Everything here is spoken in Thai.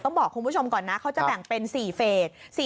บอกคุณผู้ชมก่อนนะเขาจะแบ่งเป็น๔เฟส